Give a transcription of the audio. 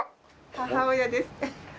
母親です。